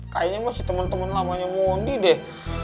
kayaknya masih temen temen namanya mondi deh